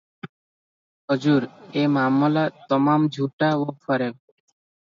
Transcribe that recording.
"ହଜୁର ଏ ମାମଲା ତମାମ ଝୁଠା ଓ ଫରେବ ।